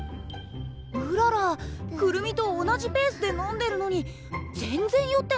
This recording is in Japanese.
うららくるみと同じペースで飲んでるのに全然酔ってないね。